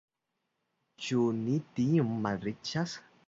Ĉu ni tiom malriĉas?